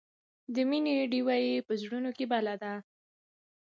د مینې ډیوه یې په زړونو کې بله ده.